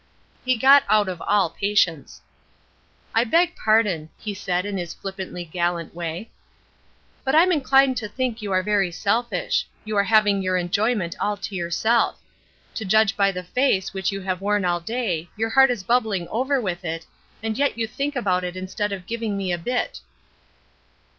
He got out of all patience. "I beg pardon," he said, in his flippantly gallant way, "but I'm inclined to think you are very selfish; you are having your enjoyment all to yourself. To judge by the face which you have worn all day your heart is bubbling over with it, and yet you think about it instead of giving me a bit."